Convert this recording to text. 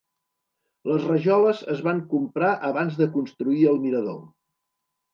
Les rajoles es van comprar abans de construir el mirador.